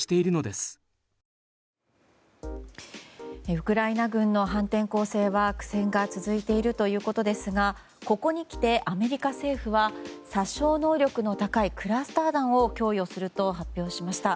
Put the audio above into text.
ウクライナ軍の反転攻勢は苦戦が続いているということですがここにきて、アメリカ政府は殺傷能力の高いクラスター弾を供与すると発表しました。